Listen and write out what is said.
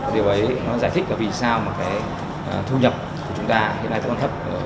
điều ấy giải thích vì sao thu nhập của chúng ta hiện nay còn thấp